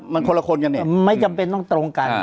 มันคนละคนกันเนี่ยไม่จำเป็นต้องตรงกัน